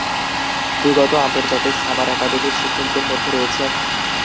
বিগত আন্তর্জাতিক সামার একাডেমীর শিক্ষকদের মধ্যে রয়েছেন: